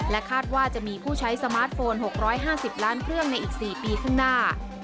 คาดว่าจะมีผู้ใช้สมาร์ทโฟน๖๕๐ล้านเครื่องในอีก๔ปีข้างหน้า